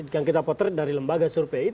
yang kita potret dari lembaga survei